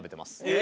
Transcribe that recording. え！